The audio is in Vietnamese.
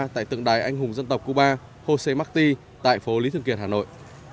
tại tượng đài anh hùng dân tộc cuba jose marti tại phố lý thường kiệt hà nội